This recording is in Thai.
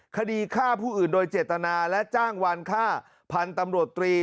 คดีฆ่าผู้อื่นโดยเจตนาและจ้างวานฆ่าพันธุ์ตำรวจตรี